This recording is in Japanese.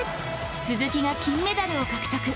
鈴木が金メダルを獲得。